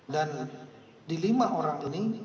dan di lima orang ini